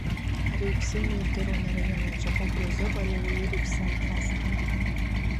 Ари ибзианы ирдыруан араион аҿы, убриазоуп ари ауаҩы иԥсы анҭаз !